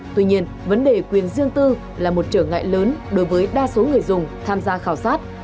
tuy nhiên vấn đề quyền riêng tư là một trở ngại lớn đối với đa số người dùng tham gia khảo sát